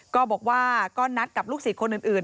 ก็บอกว่าก็นัดกับลูกศิษย์คนอื่น